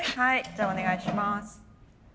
じゃあお願いします。